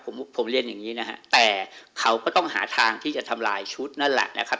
ผมผมเรียนอย่างนี้นะฮะแต่เขาก็ต้องหาทางที่จะทำลายชุดนั่นแหละนะครับ